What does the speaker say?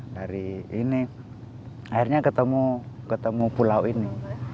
dari ini akhirnya ketemu pulau ini